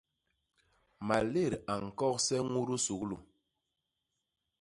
Malét a ñkogse ñudu suglu.